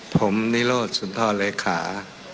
ผมนิโรธสุนทรเลขา